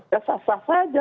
ya sah sah saja